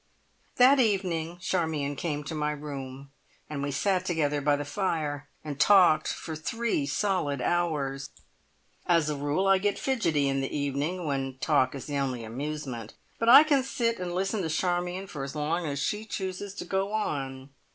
That evening Charmion came to my room, and we sat together by the fire and talked for three solid hours. As a rule, I get fidgety in the evening when talk is the only amusement, but I can sit and listen to Charmion for as long as she chooses to go on.